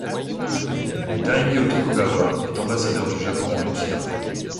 Daimyo Tokugawa est ambassadeur du Japon en Occident.